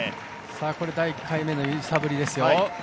これは第１回の揺さぶりですよ